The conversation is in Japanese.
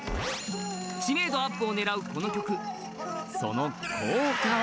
知名度アップを狙うこの曲、その効果は？